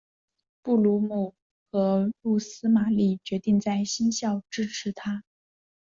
布卢姆和露丝玛丽决定在新校支持他。